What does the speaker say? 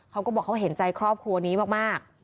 เขาก็บอกเขาเห็นใจครอบครัวนี้มาก